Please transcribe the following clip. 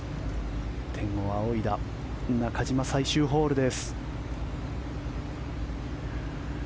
天を仰いだ中島最終ホールです。